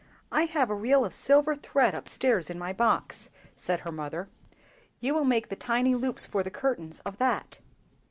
"I have a reel of silver thread up stairs in my box," said her mother; "you will make the tiny loops for the curtains of that."